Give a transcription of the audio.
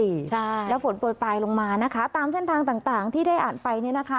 ใช่แล้วฝนโปรยปลายลงมานะคะตามเส้นทางต่างต่างที่ได้อ่านไปเนี่ยนะคะ